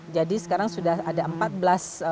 jadi sekarang sudah ada empat belas